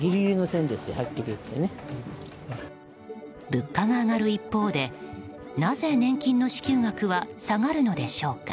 物価が上がる一方でなぜ年金の支給額は下がるのでしょうか。